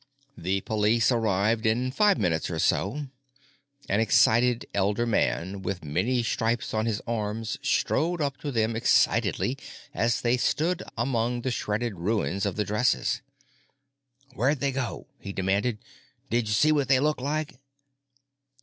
The police arrived in five minutes or so. An excited elder man with many stripes on his arms strode up to them excitedly as they stood among the shredded ruins of the dresses. "Where'd they go?" he demanded. "Didja see what they looked like?"